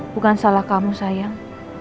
bukan salah kamu sayang